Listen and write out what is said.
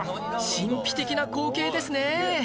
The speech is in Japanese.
神秘的な光景ですね